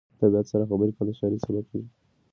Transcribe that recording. د طبیعت سره خبرې کول د شاعر سبکي ځانګړنه ده.